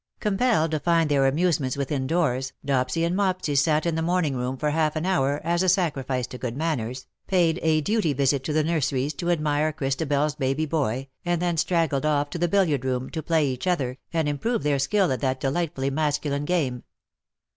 Compelled to find their amusements within doors, Dopsy and Mopsy sat in the morning room for half an hour, as a sacrifice to good manners, paid a duty visit to the nurseries to admire ChristabeFs baby boy, and then straggled off to the billiard room, to play each other, and improve their skill at that delightfully masculine game.